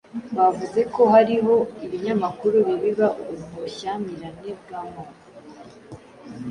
Bavuze ko hariho ibinyamakuru bibiba ubushyamirane bw'amoko,